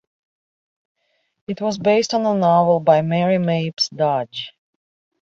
It was based on the novel by Mary Mapes Dodge.